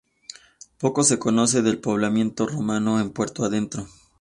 Poco se conoce del poblamiento romano en Puerto Adentro.